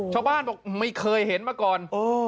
ชาวบ้านบอกไม่เคยเห็นมาก่อน